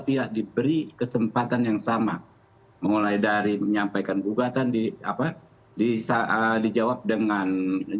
pihak diberi kesempatan yang sama mulai dari menyampaikan gugatan di apa bisa dijawab dengan